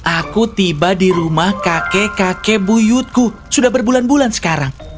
aku tiba di rumah kakek kakek buyutku sudah berbulan bulan sekarang